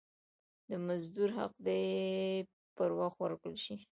د مزدور حق دي پر وخت ورکول سي.